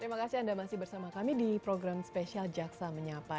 terima kasih anda masih bersama kami di program spesial jaksa menyapa